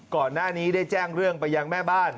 ก่อนหน้านี้ได้แจ้งเรื่องไปยังแม่บ้าน